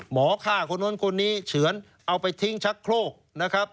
หมอฆ่าคนนั้นคนนี้เฉือนเอาไปทิ้งชักโครก